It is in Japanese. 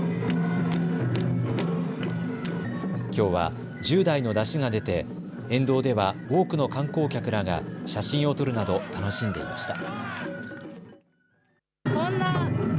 きょうは１０台の山車が出て沿道では多くの観光客らが写真を撮るなど楽しんでいました。